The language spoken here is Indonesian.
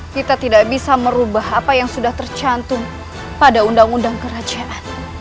kita tidak bisa merubah apa yang sudah tercantum pada undang undang kerajaan